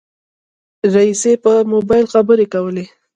رئيسې په موبایل خبرې کولې.